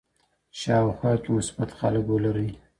شاوخوا کي مثبت خلګ ولرئ.